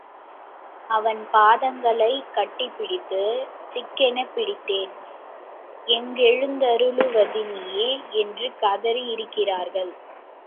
அவன் பாதங்களைக் கட்டிப்பிடித்து, சிக்கெனப் பிடித்தேன் எங்கெழுந்தருளுவதினியே என்று கதறியிருக்கிறார்கள்.